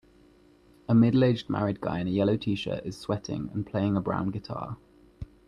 A middleaged married guy in a yellow shirt is sweating and playing a brown guitar